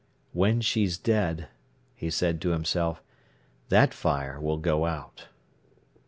"When she's dead," he said to himself, "that fire will go out."